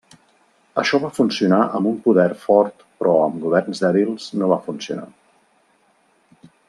Això va funcionar amb un poder fort però amb governs dèbils no va funcionar.